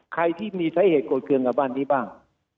ใครที่มีสาเหตุโกรธเครื่องกับบ้านนี้บ้าง